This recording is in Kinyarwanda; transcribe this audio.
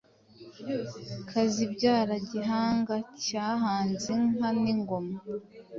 Kazi abyara Gihanga cyahanze inka n'ingoma